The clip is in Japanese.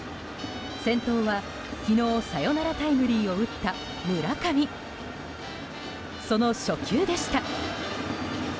先頭は昨日サヨナラタイムリーを打った村上その初球でした。